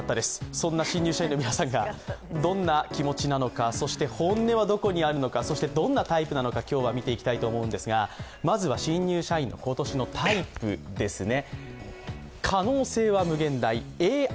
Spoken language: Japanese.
そんな新入社員の皆さんがどんな気持ちなのか、そして本音はどこにあるのかそしてどんなタイプなのか、今日は見ていきたいと思うんですが、まずは新入社員の今年のタイプですね。